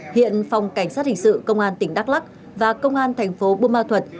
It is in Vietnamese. hiện phòng cảnh sát hình sự công an tỉnh đắk lắc và công an thành phố bùa ma thuật